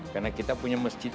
karena kita punya masjid